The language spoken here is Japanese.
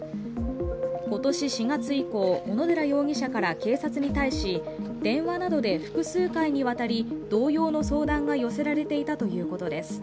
今年４月以降、小野寺容疑者から警察に対し、電話などで複数回にわたり同様の相談が寄せられていたということです。